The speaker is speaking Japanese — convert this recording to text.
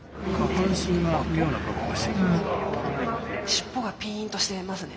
尻尾がピーンとしてますね